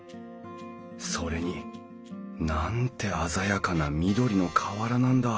それになんて鮮やかな緑の瓦なんだ！